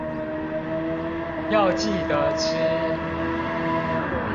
要記得吃